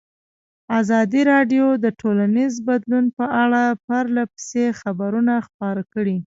ازادي راډیو د ټولنیز بدلون په اړه پرله پسې خبرونه خپاره کړي.